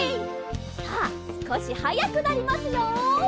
さあすこしはやくなりますよ。